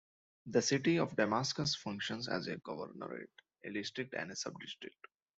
The city of Damascus functions as a governorate, a district and a subdistrict.